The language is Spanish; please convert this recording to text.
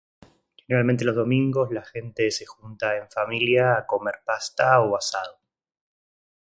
Realmente los domingos la gente se junta en familia a comer pasta o asado.